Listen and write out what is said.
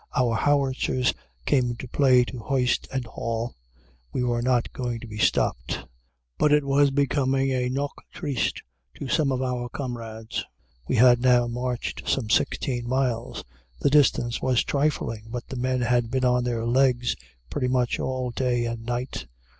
Our howitzer ropes came into play to hoist and haul. We were not going to be stopped. But it was becoming a Noche Triste to some of our comrades. We had now marched some sixteen miles. The distance was trifling. But the men had been on their legs pretty much all day and night.